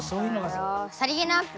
さりげなく。